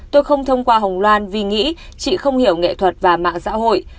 tôi không thông qua hồng loan vì nghĩ chị không hiểu nghệ thuật và mạng xã hội